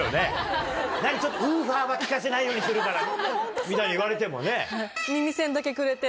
「ウーファーは効かせないようにするから」みたいに言われてもね。